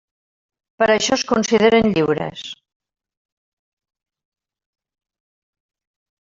Per això es consideren lliures.